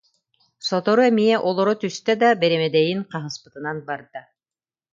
Сотору эмиэ олоро түстэ да бэрэмэдэйин хаһыспытынан барда